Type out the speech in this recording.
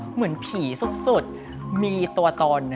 เหมือนผีสุดมีตัวตน